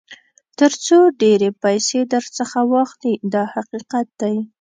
تر څو ډېرې پیسې درڅخه واخلي دا حقیقت دی.